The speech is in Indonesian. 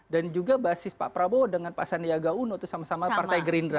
dan juga basis pak prabowo dengan pak sandiaga uno itu sama sama partai gerindra